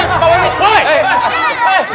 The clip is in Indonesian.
itu parah tuh